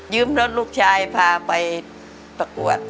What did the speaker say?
รถลูกชายพาไปประกวด